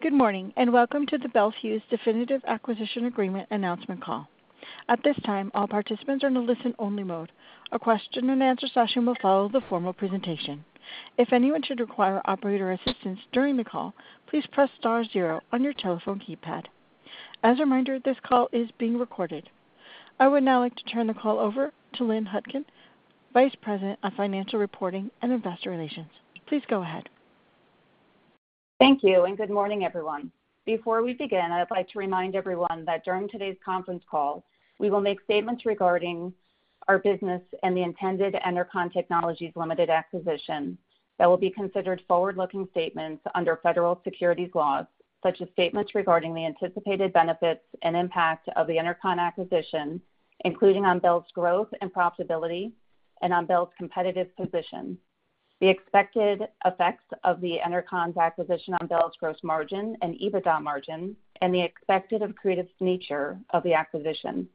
Good morning, and welcome to the Bel Fuse Definitive Acquisition Agreement Announcement Call. At this time, all participants are in a listen-only mode. A question-and-answer session will follow the formal presentation. If anyone should require operator assistance during the call, please press star zero on your telephone keypad. As a reminder, this call is being recorded. I would now like to turn the call over to Lynn Hutkin, Vice President of Financial Reporting and Investor Relations. Please go ahead. Thank you, and good morning, everyone. Before we begin, I'd like to remind everyone that during today's conference call, we will make statements regarding our business and the intended Enercon Technologies Ltd. acquisition that will be considered forward-looking statements under federal securities laws, such as statements regarding the anticipated benefits and impact of the Enercon acquisition, including on Bel's growth and profitability and on Bel's competitive position. The expected effects of the Enercon acquisition on Bel's gross margin and EBITDA margin, and the expected accretive nature of the acquisition.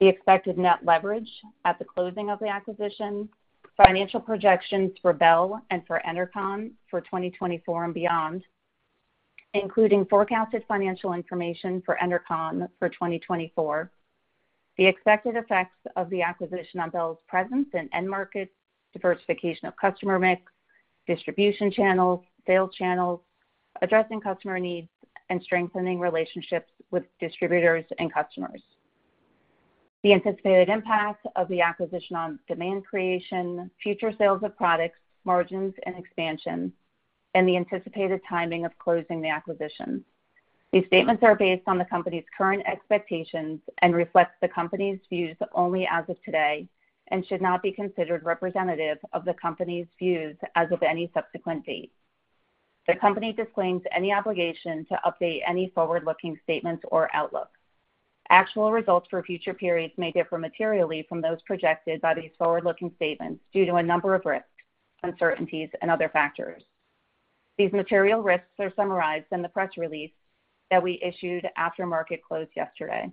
The expected net leverage at the closing of the acquisition, financial projections for Bel and for Enercon for 2024 and beyond, including forecasted financial information for Enercon for 2024. The expected effects of the acquisition on Bel's presence in end markets, diversification of customer mix, distribution channels, sales channels, addressing customer needs, and strengthening relationships with distributors and customers. The anticipated impact of the acquisition on demand creation, future sales of products, margins, and expansion, and the anticipated timing of closing the acquisition. These statements are based on the company's current expectations and reflects the company's views only as of today and should not be considered representative of the company's views as of any subsequent date. The company disclaims any obligation to update any forward-looking statements or outlook. Actual results for future periods may differ materially from those projected by these forward-looking statements due to a number of risks, uncertainties, and other factors. These material risks are summarized in the press release that we issued after market closed yesterday.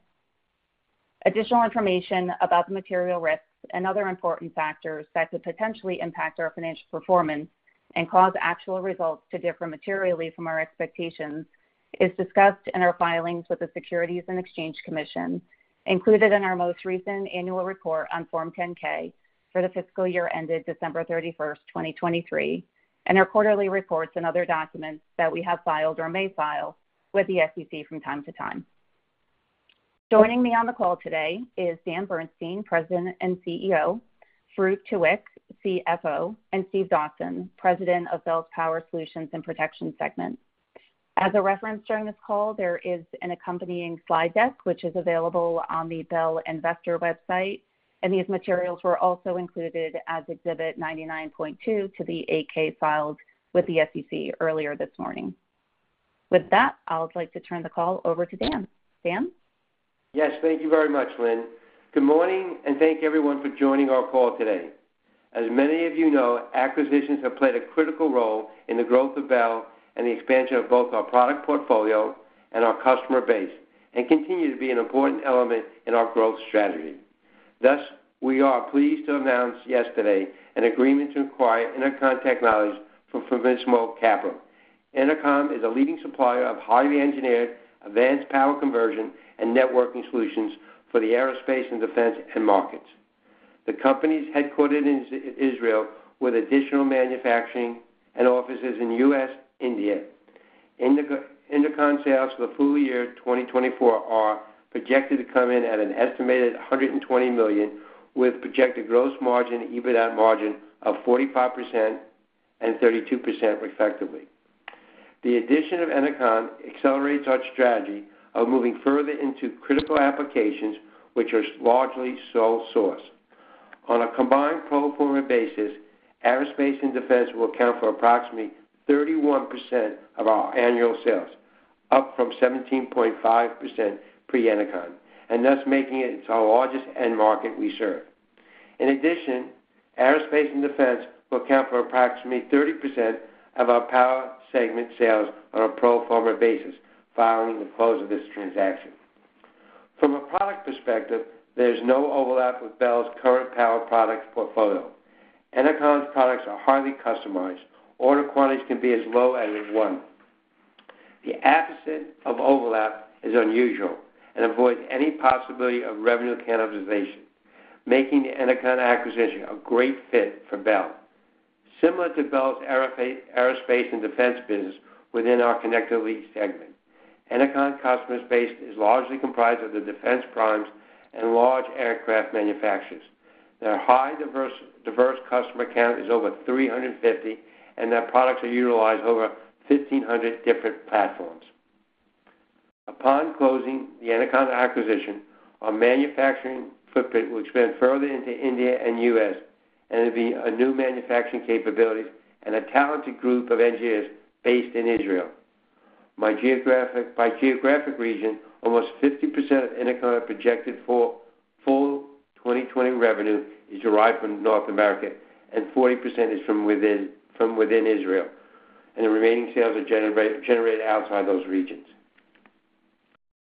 Additional information about the material risks and other important factors that could potentially impact our financial performance and cause actual results to differ materially from our expectations is discussed in our filings with the Securities and Exchange Commission, included in our most recent annual report on Form 10-K for the fiscal year ended December thirty-first, 2023, and our quarterly reports and other documents that we have filed or may file with the SEC from time to time. Joining me on the call today is Dan Bernstein, President and CEO, Farouq Tuweiq, CFO, and Steve Dawson, President of Bel's Power Solutions and Protection segment. As a reference during this call, there is an accompanying slide deck, which is available on the Bel investor website, and these materials were also included as Exhibit 99.2 to the 8-K filed with the SEC earlier this morning. With that, I'd like to turn the call over to Dan. Dan? Yes, thank you very much, Lynn. Good morning, and thank everyone for joining our call today. As many of you know, acquisitions have played a critical role in the growth of Bel and the expansion of both our product portfolio and our customer base, and continue to be an important element in our growth strategy. Thus, we are pleased to announce yesterday an agreement to acquire Enercon Technologies from Fortissimo Capital. Enercon is a leading supplier of highly engineered, advanced power conversion and networking solutions for the aerospace and defense end markets. The company is headquartered in Israel, with additional manufacturing and offices in U.S., India. Enercon sales for the full year 2024 are projected to come in at an estimated $120 million, with projected gross margin, EBITDA margin of 45% and 32%, respectively. The addition of Enercon accelerates our strategy of moving further into critical applications, which are largely sole source. On a combined pro forma basis, aerospace and defense will account for approximately 31% of our annual sales, up from 17.5% pre-Enercon, and thus making it our largest end market we serve. In addition, aerospace and defense will account for approximately 30% of our power segment sales on a pro forma basis following the close of this transaction. From a product perspective, there's no overlap with Bel's current power product portfolio. Enercon's products are highly customized. Order quantities can be as low as one. The absence of overlap is unusual and avoids any possibility of revenue cannibalization, making the Enercon acquisition a great fit for Bel. Similar to Bel's aerospace and defense business within our Connectivity segment, Enercon's customer base is largely comprised of the defense primes and large aircraft manufacturers. Their highly diverse customer count is over 350, and their products are utilized over 1,500 different platforms. Upon closing the Enercon acquisition, our manufacturing footprint will expand further into India and U.S., and it'll be a new manufacturing capability and a talented group of engineers based in Israel. By geographic region, almost 50% of Enercon's projected full 2024 revenue is derived from North America, and 40% is from within Israel, and the remaining sales are generated outside those regions.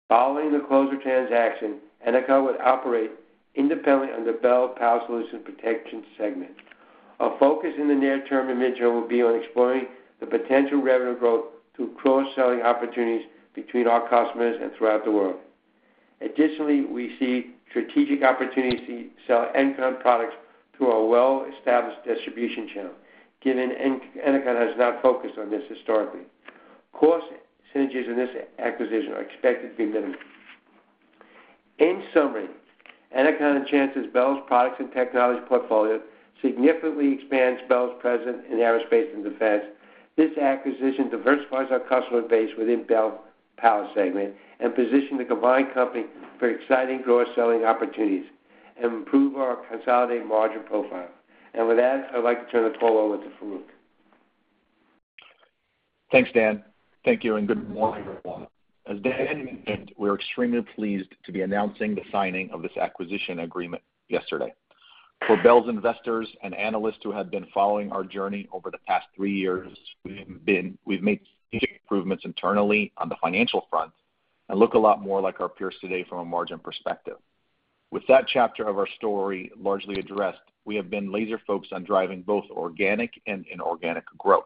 Following the closing transaction, Enercon would operate independently under Bel's Power Solutions and Protection segment. Our focus in the near term and mid-term will be on exploring the potential revenue growth through cross-selling opportunities between our customers and throughout the world. Additionally, we see strategic opportunities to sell Enercon products through our well-established distribution channel, given Enercon has not focused on this historically. Cost synergies in this acquisition are expected to be limited. In summary, Enercon enhances Bel's products and technology portfolio, significantly expands Bel's presence in aerospace and defense. This acquisition diversifies our customer base within Bel Power segment and position the combined company for exciting cross-selling opportunities and improve our consolidated margin profile. And with that, I'd like to turn the call over to Farouq. Thanks, Dan. Thank you, and good morning, everyone. As Dan mentioned, we're extremely pleased to be announcing the signing of this acquisition agreement yesterday. For Bel's investors and analysts who have been following our journey over the past three years, we've made significant improvements internally on the financial front and look a lot more like our peers today from a margin perspective. With that chapter of our story largely addressed, we have been laser-focused on driving both organic and inorganic growth.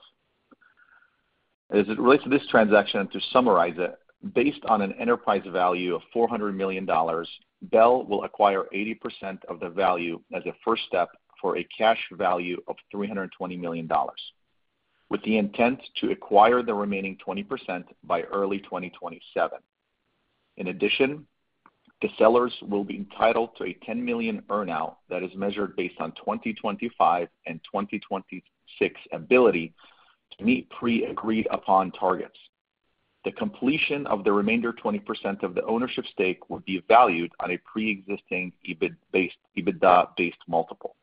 As it relates to this transaction, to summarize it, based on an enterprise value of $400 million, Bel will acquire 80% of the value as a first step for a cash value of $320 million, with the intent to acquire the remaining 20% by early 2027. In addition, the sellers will be entitled to a $10 million earn-out that is measured based on 2025 and 2026 ability to meet pre-agreed upon targets. The completion of the remainder 20% of the ownership stake would be valued on a pre-existing EBITDA-based multiple.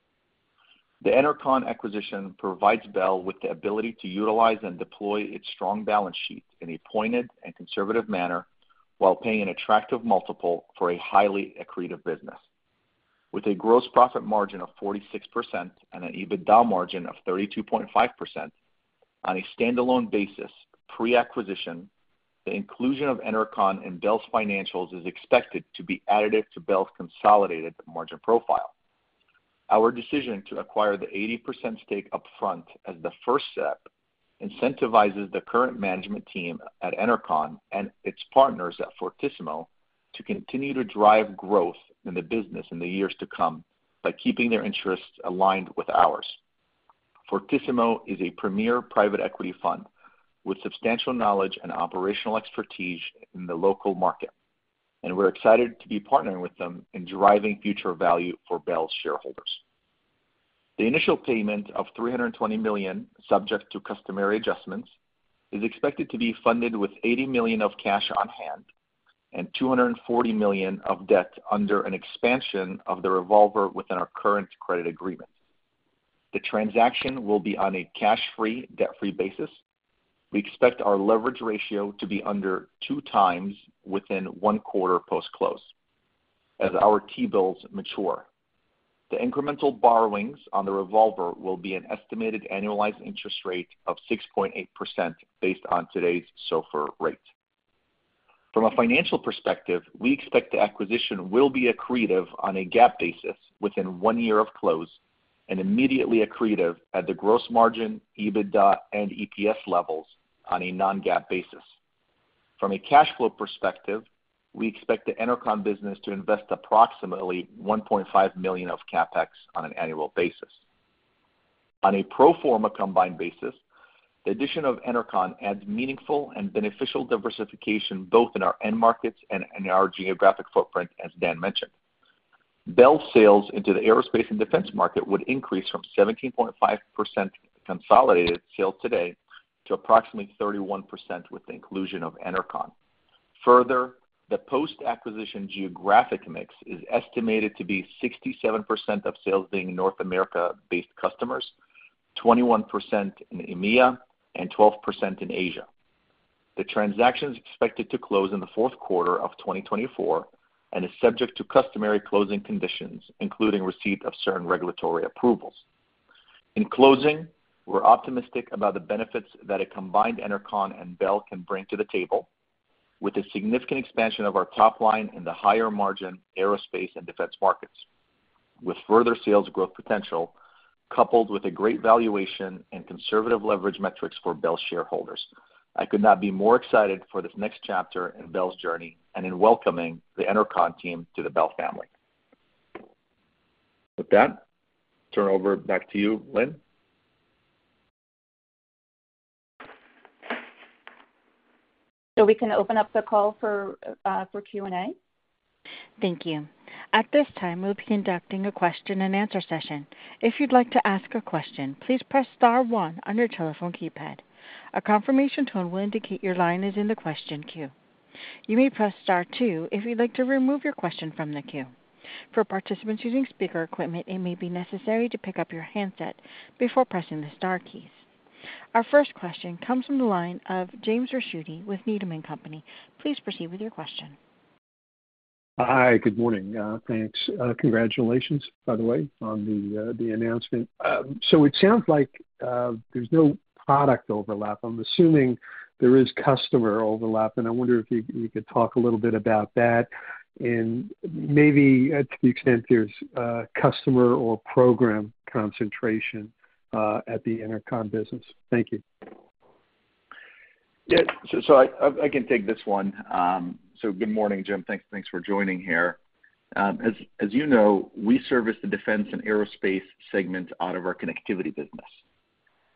The Enercon acquisition provides Bel with the ability to utilize and deploy its strong balance sheet in a pointed and conservative manner, while paying an attractive multiple for a highly accretive business. With a gross profit margin of 46% and an EBITDA margin of 32.5%, on a standalone basis, pre-acquisition, the inclusion of Enercon in Bel's financials is expected to be additive to Bel's consolidated margin profile. Our decision to acquire the 80% stake upfront as the first step incentivizes the current management team at Enercon and its partners at Fortissimo to continue to drive growth in the business in the years to come by keeping their interests aligned with ours. Fortissimo is a premier private equity fund with substantial knowledge and operational expertise in the local market, and we're excited to be partnering with them in driving future value for Bel's shareholders. The initial payment of $320 million, subject to customary adjustments, is expected to be funded with $80 million of cash on hand and $240 million of debt under an expansion of the revolver within our current credit agreement. The transaction will be on a cash-free, debt-free basis. We expect our leverage ratio to be under two times within one quarter post-close as our T-bills mature. The incremental borrowings on the revolver will be an estimated annualized interest rate of 6.8% based on today's SOFR rate. From a financial perspective, we expect the acquisition will be accretive on a GAAP basis within one year of close and immediately accretive at the gross margin, EBITDA, and EPS levels on a non-GAAP basis. From a cash flow perspective, we expect the Enercon business to invest approximately 1.5 million of CapEx on an annual basis. On a pro forma combined basis, the addition of Enercon adds meaningful and beneficial diversification, both in our end markets and in our geographic footprint, as Dan mentioned. Bel sales into the aerospace and defense market would increase from 17.5% consolidated sales today to approximately 31% with the inclusion of Enercon. Further, the post-acquisition geographic mix is estimated to be 67% of sales being North America-based customers, 21% in EMEA, and 12% in Asia. The transaction is expected to close in the fourth quarter of 2024 and is subject to customary closing conditions, including receipt of certain regulatory approvals. In closing, we're optimistic about the benefits that a combined Enercon and Bel can bring to the table, with a significant expansion of our top line in the higher-margin aerospace and defense markets, with further sales growth potential, coupled with a great valuation and conservative leverage metrics for Bel shareholders. I could not be more excited for this next chapter in Bel's journey and in welcoming the Enercon team to the Bel family. With that, turn it over back to you, Lynn. So we can open up the call for Q&A. Thank you. At this time, we'll be conducting a question-and-answer session. If you'd like to ask a question, please press star one on your telephone keypad. A confirmation tone will indicate your line is in the question queue. You may press star two if you'd like to remove your question from the queue. For participants using speaker equipment, it may be necessary to pick up your handset before pressing the star keys. Our first question comes from the line of James Ricchiuti with Needham & Company. Please proceed with your question.... Hi, good morning. Thanks. Congratulations, by the way, on the announcement. So it sounds like there's no product overlap. I'm assuming there is customer overlap, and I wonder if you could talk a little bit about that and maybe to the extent there's a customer or program concentration at the Enercon business. Thank you. Yes, so I can take this one. Good morning, Jim. Thanks for joining here. As you know, we service the defense and aerospace segment out of our Connectivity business.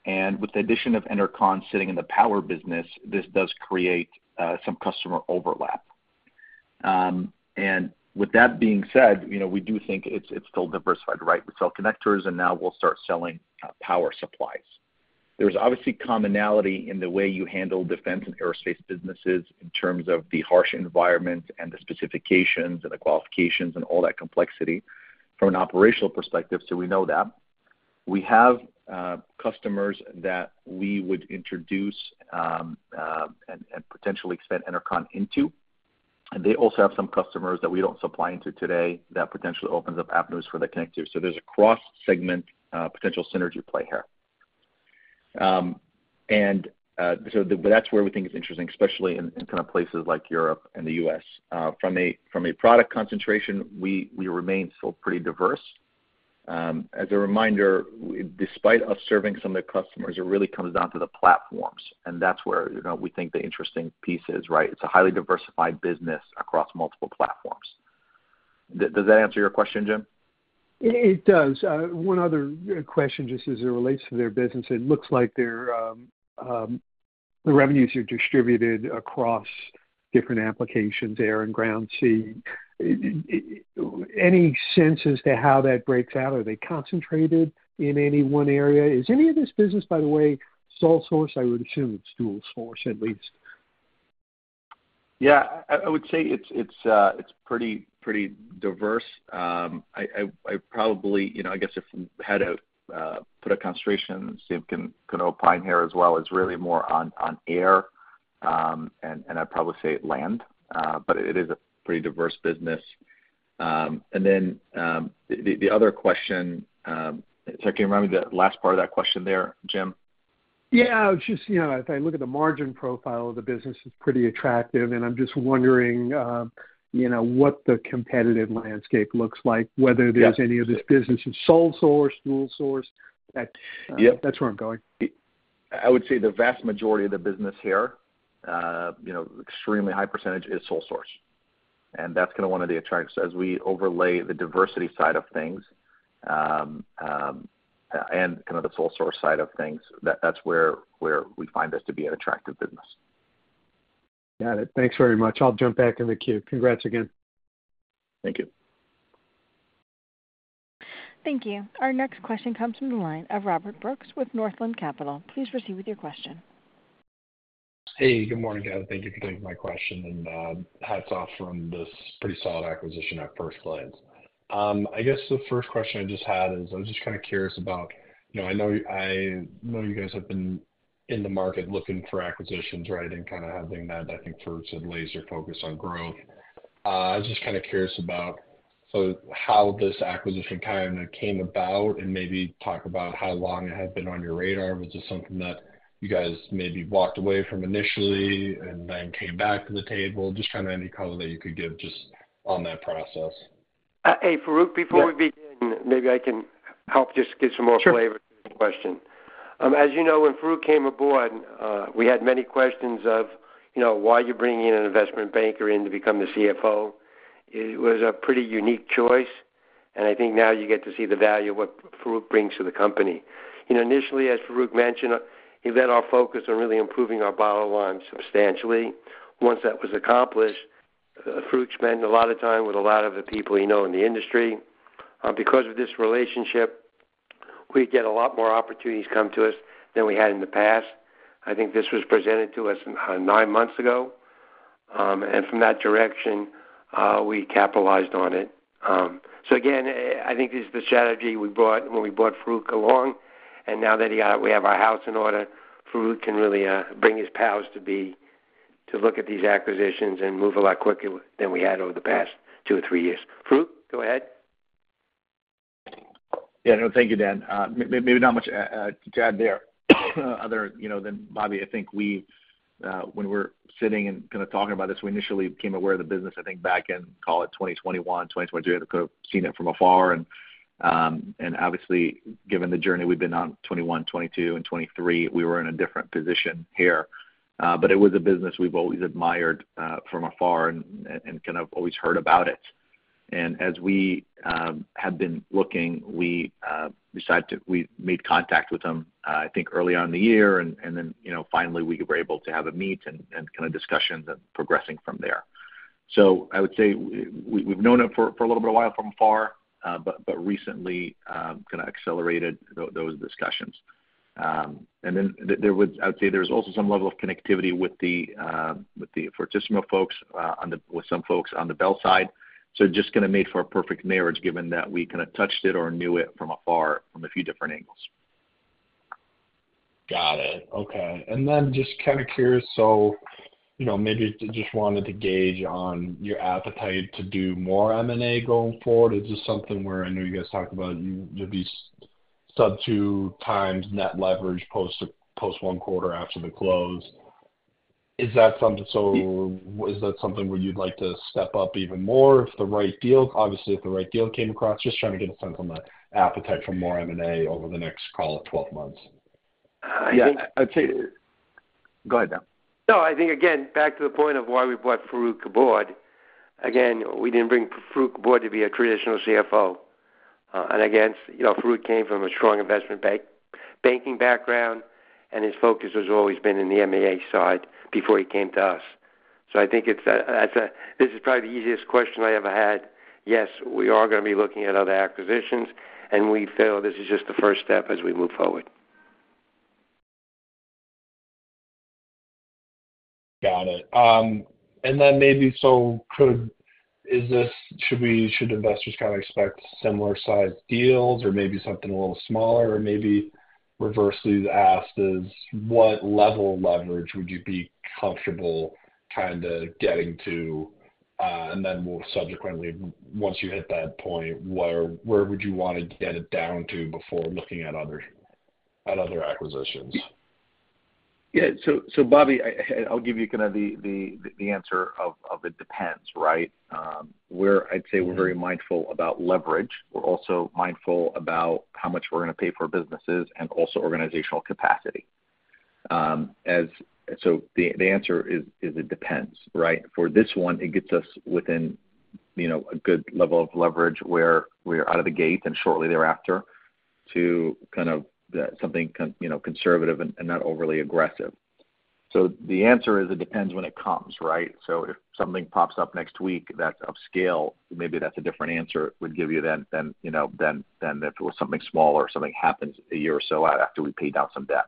And with the addition of Enercon sitting in the power business, this does create some customer overlap. And with that being said, you know, we do think it's still diversified, right? We sell connectors, and now we'll start selling power supplies. There's obviously commonality in the way you handle defense and aerospace businesses in terms of the harsh environment and the specifications and the qualifications and all that complexity from an operational perspective, so we know that. We have customers that we would introduce and potentially expand Enercon into, and they also have some customers that we don't supply into today that potentially opens up avenues for the connectors. So there's a cross-segment potential synergy play here. And so but that's where we think it's interesting, especially in kind of places like Europe and the U.S. From a product concentration, we remain still pretty diverse. As a reminder, despite us serving some of the customers, it really comes down to the platforms, and that's where you know we think the interesting piece is, right? It's a highly diversified business across multiple platforms. Does that answer your question, Jim? It does. One other question, just as it relates to their business. It looks like their revenues are distributed across different applications, air and ground, sea. Any sense as to how that breaks out? Are they concentrated in any one area? Is any of this business, by the way, sole source? I would assume it's dual source, at least. Yeah, I would say it's pretty diverse. I probably, you know, I guess if I had to put a concentration, so you can opine here as well. It's really more on air and I'd probably say land, but it is a pretty diverse business. Then the other question, so can you remind me the last part of that question there, Jim? Yeah, just, you know, if I look at the margin profile of the business, it's pretty attractive, and I'm just wondering, you know, what the competitive landscape looks like, whether there's- Yeah. Any of this business is sole source, dual source? Yep. That's where I'm going. I would say the vast majority of the business here, you know, extremely high percentage, is sole source, and that's kind of one of the attracts. As we overlay the diversity side of things, and kind of the sole source side of things, that's where we find this to be an attractive business. Got it. Thanks very much. I'll jump back in the queue. Congrats again. Thank you. Thank you. Our next question comes from the line of Robert Brooks with Northland Capital. Please proceed with your question. Hey, good morning, guys. Thank you for taking my question, and hats off from this pretty solid acquisition at first glance. I guess the first question I just had is, I was just kind of curious about, you know, I know you-- I know you guys have been in the market looking for acquisitions, right? And kind of having that, I think, for some laser focus on growth. I was just kind of curious about, so how this acquisition kind of came about, and maybe talk about how long it had been on your radar. Was this something that you guys maybe walked away from initially and then came back to the table? Just kind of any color that you could give just on that process. Hey, Farouq, before we begin, maybe I can help just give some more flavor- Sure. - to the question. As you know, when Farouq came aboard, we had many questions of, you know, why you're bringing in an investment banker in to become the CFO? It was a pretty unique choice, and I think now you get to see the value of what Farouq brings to the company. You know, initially, as Farouq mentioned, he led our focus on really improving our bottom line substantially. Once that was accomplished, Farouq spent a lot of time with a lot of the people he know in the industry. Because of this relationship, we get a lot more opportunities come to us than we had in the past. I think this was presented to us, nine months ago, and from that direction, we capitalized on it. So again, I think this is the strategy we bought when we brought Farouq along, and now that he, we have our house in order, Farouq can really bring his powers to be, to look at these acquisitions and move a lot quicker than we had over the past two or three years. Farouq, go ahead. Yeah, no, thank you, Dan. Maybe not much to add there. Other than Bobby, you know, I think we, when we're sitting and kind of talking about this, we initially became aware of the business, I think, back in, call it 2021, 2022, seen it from afar and obviously, given the journey we've been on 2021, 2022 and 2023, we were in a different position here. But it was a business we've always admired from afar and kind of always heard about it. And as we had been looking, we made contact with them, I think early on in the year, and then, you know, finally we were able to have a meeting and kind of discussions and progressing from there. So I would say we, we've known them for a little bit of while from afar, but recently kind of accelerated those discussions. And then there was, I would say, also some level of Connectivity with the Fortissimo folks, with some folks on the Bel side. So it just kind of made for a perfect marriage, given that we kind of touched it or knew it from afar from a few different angles.... Got it. Okay. And then just kind of curious, so, you know, maybe just wanted to gauge on your appetite to do more M&A going forward, or just something where I know you guys talked about you'd be sub two times net leverage post one quarter after the close. Is that something where you'd like to step up even more if the right deal, obviously, if the right deal came across? Just trying to get a sense on the appetite for more M&A over the next call of twelve months. Yeah, I'd say-- Go ahead, Bob. No, I think, again, back to the point of why we bought Farouq Tuweiq. Again, we didn't bring Farouq Tuweiq to be a traditional CFO. And again, you know, Farouq came from a strong investment banking background, and his focus has always been in the EMEA side before he came to us. So I think that's a-- this is probably the easiest question I ever had. Yes, we are gonna be looking at other acquisitions, and we feel this is just the first step as we move forward. Got it. And then maybe, is this, should we, should investors kind of expect similar-sized deals or maybe something a little smaller, or maybe reversely asked, is what level of leverage would you be comfortable kind of getting to, and then more subsequently, once you hit that point, where would you want to get it down to before looking at other acquisitions? Yeah. So, Bobby, I'll give you kind of the answer of it depends, right? We're—I'd say we're very mindful about leverage. We're also mindful about how much we're gonna pay for businesses and also organizational capacity. So the answer is it depends, right? For this one, it gets us within, you know, a good level of leverage where we're out of the gate and shortly thereafter, to kind of something, you know, conservative and not overly aggressive. So the answer is, it depends when it comes, right? So if something pops up next week that's of scale, maybe that's a different answer we'd give you than, you know, than if it was something smaller or something happens a year or so out after we paid down some debt.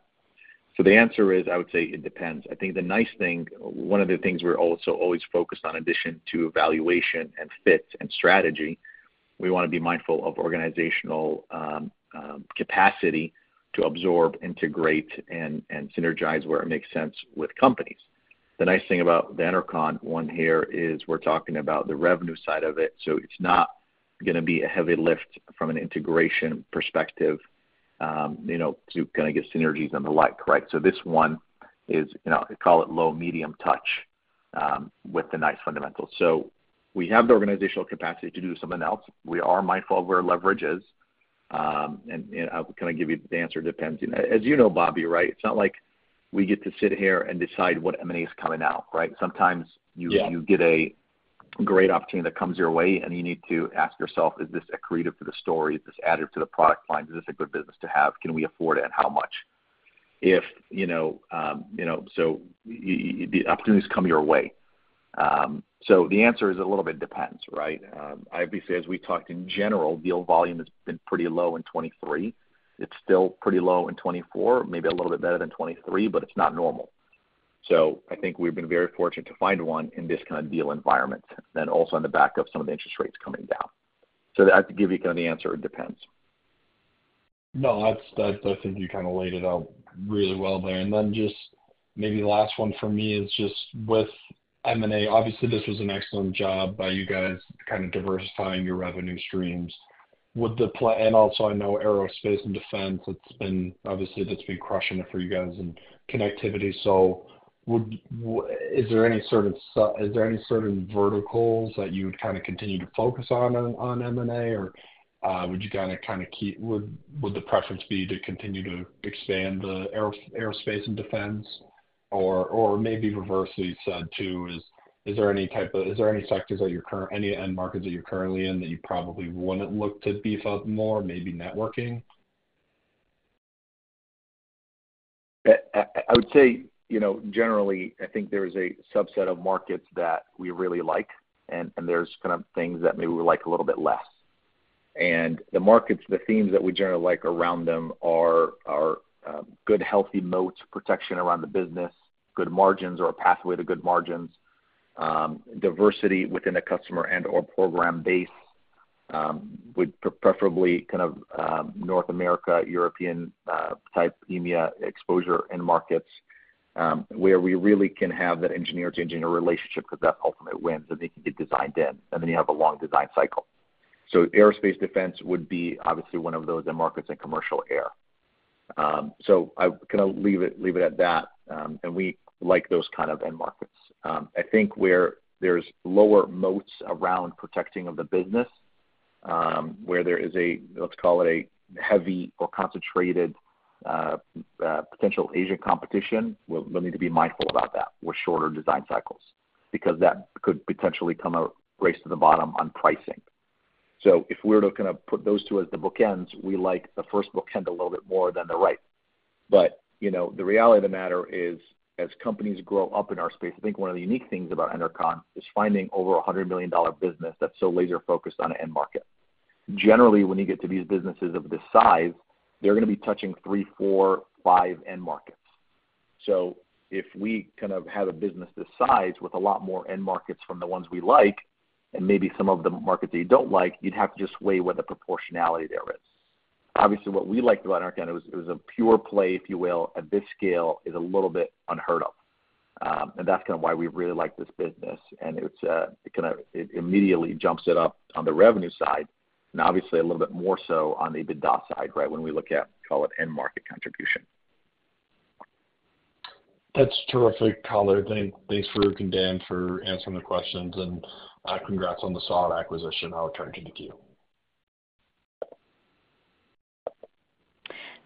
So the answer is, I would say it depends. I think the nice thing, one of the things we're also always focused on, in addition to evaluation and fit and strategy, we want to be mindful of organizational capacity to absorb, integrate, and synergize where it makes sense with companies. The nice thing about the Enercon one here is we're talking about the revenue side of it, so it's not gonna be a heavy lift from an integration perspective, you know, to kind of get synergies and the like, right? So this one is, you know, call it low, medium touch, with the nice fundamentals. So we have the organizational capacity to do something else. We are mindful of where leverage is, and I'll kind of give you the answer, depends. As you know, Bobby, right, it's not like we get to sit here and decide what M&A is coming out, right? Sometimes you- Yeah. You get a great opportunity that comes your way, and you need to ask yourself: Is this accretive to the story? Does this add it to the product line? Is this a good business to have? Can we afford it, and how much? If, you know, so the opportunities come your way. So the answer is a little bit depends, right? I'd say, as we talked in general, deal volume has been pretty low in 2023. It's still pretty low in 2024, maybe a little bit better than 2023, but it's not normal. So I think we've been very fortunate to find one in this kind of deal environment, then also on the back of some of the interest rates coming down. So I have to give you kind of the answer: It depends. No, that's. I think you kind of laid it out really well there. And then just maybe the last one for me is just with M&A. Obviously, this was an excellent job by you guys, kind of diversifying your revenue streams. And also, I know aerospace and defense, it's been, obviously, that's been crushing it for you guys and Connectivity. So, is there any certain verticals that you would kind of continue to focus on, on M&A? Or, would you kind of, would the preference be to continue to expand the aerospace and defense? Or, or maybe reversely said, too, is, is there any type of, is there any sectors that you're currently, any end markets that you're currently in that you probably wouldn't look to beef up more, maybe networking? I would say, you know, generally, I think there is a subset of markets that we really like, and there's kind of things that maybe we like a little bit less. And the markets, the themes that we generally like around them are good, healthy moats, protection around the business, good margins or a pathway to good margins, diversity within a customer and/or program base, with preferably kind of North America, European, type EMEA exposure end markets, where we really can have that engineer-to-engineer relationship with that ultimate win, so they can get designed in, and then you have a long design cycle. So aerospace defense would be obviously one of those end markets in commercial air. So I'm gonna leave it at that, and we like those kind of end markets. I think where there's lower moats around protecting of the business, where there is a, let's call it, a heavy or concentrated, potential Asian competition, we'll need to be mindful about that with shorter design cycles, because that could potentially come out race to the bottom on pricing, so if we're to kind of put those two at the bookends, we like the first bookend a little bit more than the right, but you know, the reality of the matter is, as companies grow up in our space, I think one of the unique things about Enercon is finding over a hundred million dollar business that's so laser-focused on an end market. Generally, when you get to these businesses of this size, they're gonna be touching three, four, five end markets.... So if we kind of had a business this size with a lot more end markets from the ones we like, and maybe some of the markets that you don't like, you'd have to just weigh what the proportionality there is. Obviously, what we liked about Enercon, it was a pure play, if you will, at this scale, is a little bit unheard of, and that's kind of why we really like this business, and it kind of immediately jumps it up on the revenue side, and obviously a little bit more so on the EBITDA side, right, when we look at, call it, end market contribution. That's terrific color. Thanks Farouq and Dan for answering the questions, and congrats on the solid acquisition. I'll turn it to you.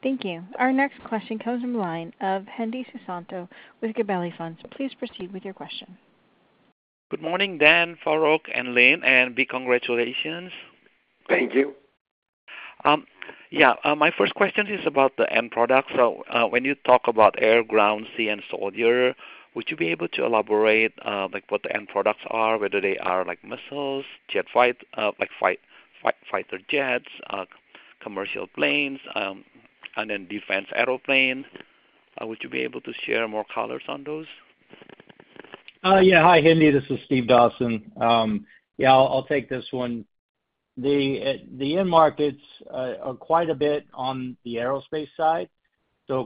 Thank you. Our next question comes from the line of Hendy Susanto with Gabelli Funds. Please proceed with your question. Good morning, Dan, Farouq, and Lynn, and big congratulations. Thank you. Yeah, my first question is about the end product, so when you talk about air, ground, sea, and soldier, would you be able to elaborate, like, what the end products are? Whether they are like missiles, jet fight, like, fighter jets, commercial planes, and then defense airplane. Would you be able to share more colors on those? Yeah. Hi, Hendy, this is Steve Dawson. Yeah, I'll take this one. The end markets are quite a bit on the aerospace side, so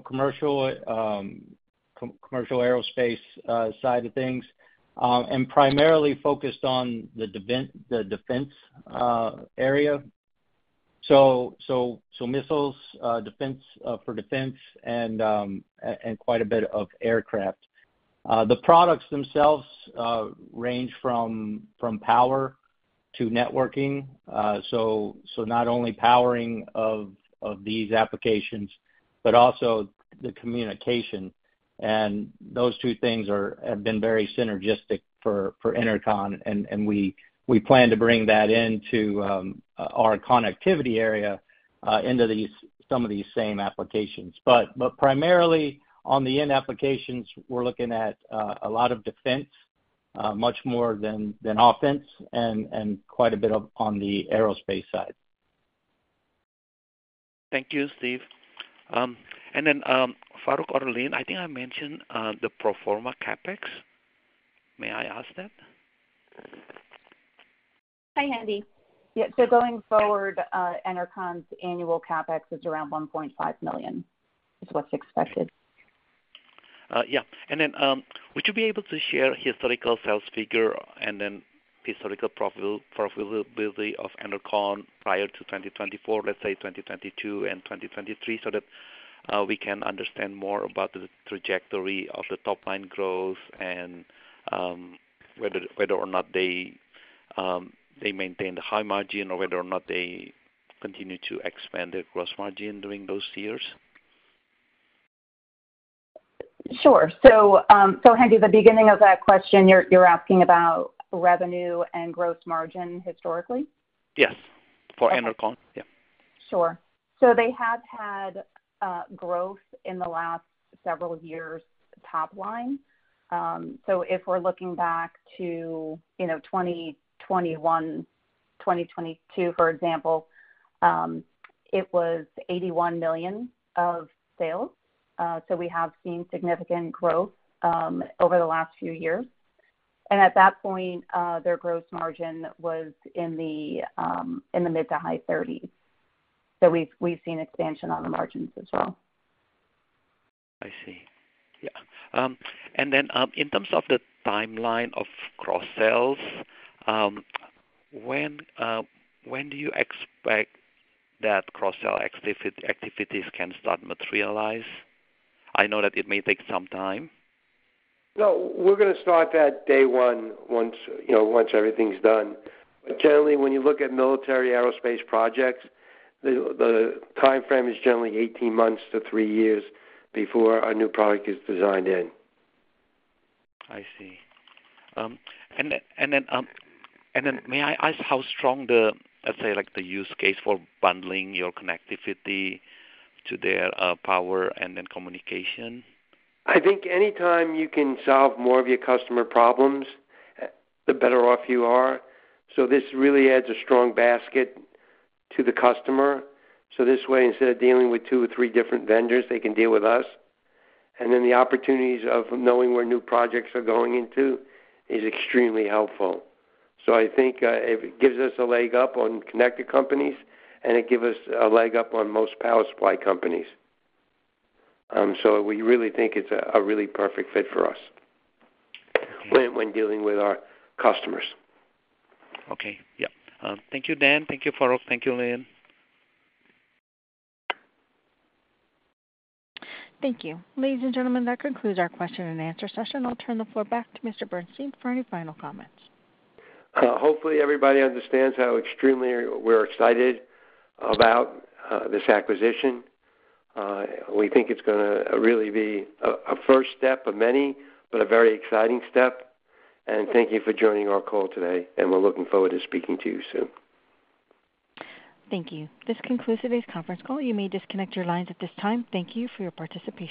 commercial aerospace side of things, and primarily focused on the defense area, so missiles, defense for defense and quite a bit of aircraft. The products themselves range from power to networking. So not only powering of these applications, but also the communication. And those two things have been very synergistic for Enercon, and we plan to bring that into our Connectivity area, into some of these same applications. But primarily on the end applications, we're looking at a lot of defense, much more than offense and quite a bit on the aerospace side. Thank you, Steve. And then, Farouq or Lynn, I think I mentioned the pro forma CapEx. May I ask that? Hi, Hendy. Yeah, so going forward, Enercon's annual CapEx is around $1.5 million, is what's expected. Yeah. And then, would you be able to share historical sales figure and then historical profit, profitability of Enercon prior to 2024, let's say 2022 and 2023, so that we can understand more about the trajectory of the top line growth and whether or not they maintained a high margin, or whether or not they continued to expand their gross margin during those years? Sure. So, so Hendy, the beginning of that question, you're asking about revenue and gross margin historically? Yes. For Enercon, yeah. Sure. So they have had growth in the last several years, top line. So if we're looking back to, you know, 2021, 2022, for example, it was $81 million of sales. So we have seen significant growth over the last few years. And at that point, their gross margin was in the mid- to high-30s. So we've seen expansion on the margins as well. I see. Yeah. And then, in terms of the timeline of cross sales, when do you expect that cross-sell activities can start materialize? I know that it may take some time. No, we're gonna start that day one, once, you know, once everything's done. But generally, when you look at military aerospace projects, the timeframe is generally 18 months to three years before a new product is designed in. I see. And then may I ask how strong the, let's say, like, the use case for bundling your Connectivity to their power and then communication? I think anytime you can solve more of your customer problems, the better off you are. So this really adds a strong basket to the customer. So this way, instead of dealing with two or three different vendors, they can deal with us. And then the opportunities of knowing where new projects are going into is extremely helpful. So I think it gives us a leg up on connected companies, and it gives us a leg up on most power supply companies. So we really think it's a really perfect fit for us when dealing with our customers. Okay. Yeah. Thank you, Dan. Thank you, Farouq. Thank you, Lynn. Thank you. Ladies and gentlemen, that concludes our question and answer session. I'll turn the floor back to Mr. Bernstein for any final comments. Hopefully everybody understands how extremely we're excited about this acquisition. We think it's gonna really be a first step of many, but a very exciting step. And thank you for joining our call today, and we're looking forward to speaking to you soon. Thank you. This concludes today's conference call. You may disconnect your lines at this time. Thank you for your participation.